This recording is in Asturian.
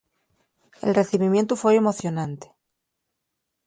El recibimientu foi emocionante.